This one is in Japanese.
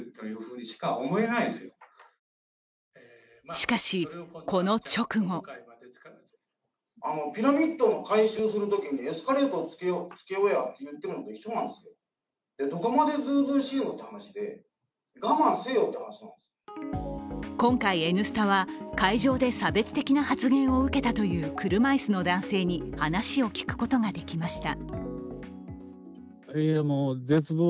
しかし、この直後今回、「Ｎスタ」は会場で差別的な発言を受けたという車椅子の男性に話を聞くことができました。